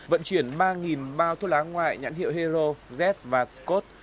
vận chuyển ba bao thuốc lá ngoại nhãn hiệu hero z và scot